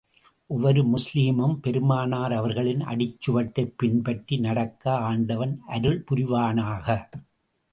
ஒவ்வொரு முஸ்லிமும், பெருமானார் அவர்களின் அடிச்சுவட்டைப் பின்பற்றி நடக்க ஆண்டவன் அருள்புரிவானாக!